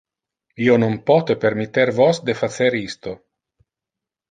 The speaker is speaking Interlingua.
Io non pote permitter vos de facer isto.